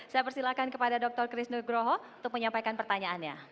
saya persilakan kepada dr chris nugroho untuk menyampaikan pertanyaannya